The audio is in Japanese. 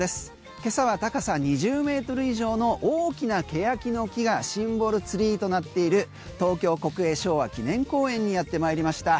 今朝は高さ２０ｍ以上の大きなケヤキの木がシンボルツリーとなっている東京・国営昭和記念公園にやってまいりました。